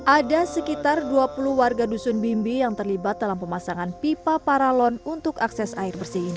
ada sekitar dua puluh warga dusun bimbi yang terlibat dalam pemasangan pipa paralon untuk akses air bersih ini